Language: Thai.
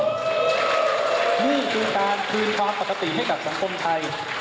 นี่คือการคืนความปกติให้กับสังคมไทย